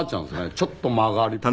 ちょっと曲がりっぽく。